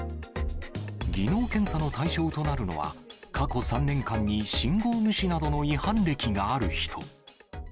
技能検査の対象となるのは、過去３年間に信号無視などの違反歴がある人。